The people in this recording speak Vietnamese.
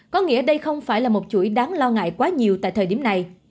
có nghĩa đây không phải là một chuỗi đáng lo ngại quá nhiều tại thời điểm này